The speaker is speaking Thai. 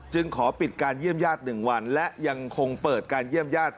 ขอปิดการเยี่ยมญาติ๑วันและยังคงเปิดการเยี่ยมญาติ